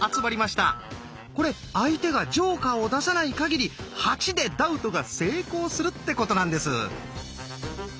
これ相手がジョーカーを出さないかぎり「８」で「ダウト」が成功するってことなんです。